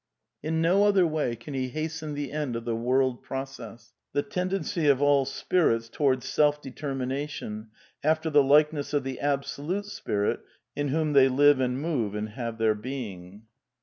In no other way can he hasten the end of the world process — the V. ^ndency of all spirits towards self determination, after the ^ likeness of the Absolute Spirit in whom they live and move and have their being.